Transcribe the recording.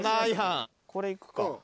これいくか。